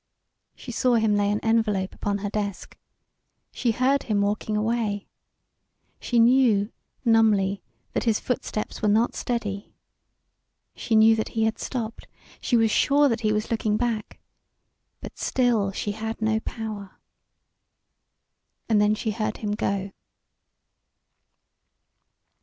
She saw him lay an envelope upon her desk. She heard him walking away. She knew, numbly, that his footsteps were not steady. She knew that he had stopped; she was sure that he was looking back. But still she had no power. And then she heard him go.